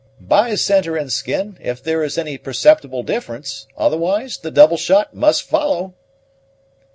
"By centre and skin, if there is any perceptible difference; otherwise the double shot must follow."